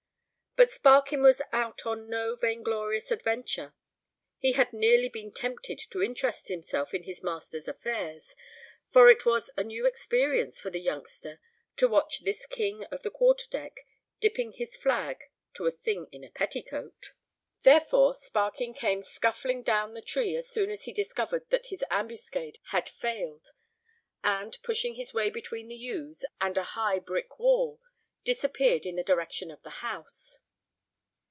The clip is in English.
But Sparkin was out on no vainglorious adventure. He had nearly been tempted to interest himself in his master's affairs, for it was a new experience for the youngster to watch this king of the quarter deck dipping his flag to a thing in a petticoat. Therefore, Sparkin came scuffling down the tree as soon as he discovered that his ambuscade had failed, and, pushing his way between the yews and a high brick wall, disappeared in the direction of the house.